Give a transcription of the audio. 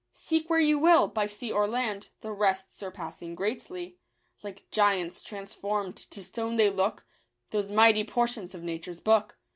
Seek where you will, by sea or land, The rest surpassing greatly; Like giants transform'd to stone they look, Those mighty portions of Nature's book.